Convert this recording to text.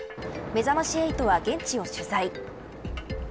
めざまし８は現地を取材。